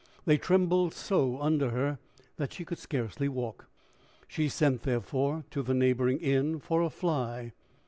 They trembled so under her that she could scarcely walk. She sent, therefore, to the neighboring inn for a fly.